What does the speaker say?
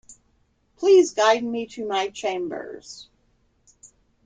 Please guide me to my chambers.